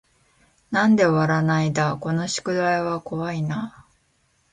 なんで終わらないだこの宿題は怖い y な